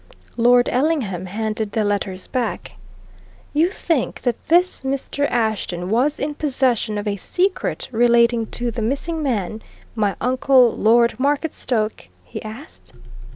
Lord Ellingham handed the letters back. "You think that this Mr. Ashton was in possession of a secret relating to the missing man my uncle, Lord Marketstoke?" he asked.